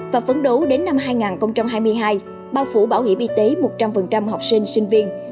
và phấn đấu đến năm hai nghìn hai mươi hai bao phủ bảo hiểm y tế một trăm linh học sinh sinh viên